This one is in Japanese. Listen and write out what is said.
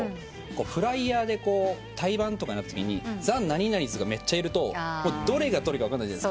フライヤーで対バンってなったときに「ザ何々ズ」がめっちゃいるとどれがどれか分かんないじゃないですか。